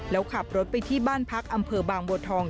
แล้วขับรถไปที่บ้านพักอำเภอบางบัวทอง